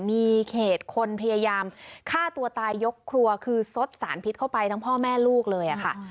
มีเขตคนพยายามฆ่าตัวตายยกครัวคือซดสารพิษเข้าไปทั้งพ่อแม่ลูกเลยค่ะ